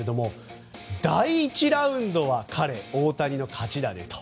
第１ラウンドは彼大谷の勝ちだねと。